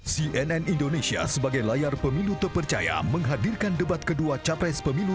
cnn indonesia sebagai layar pemilu terpercaya menghadirkan debat kedua capres pemilu dua ribu sembilan belas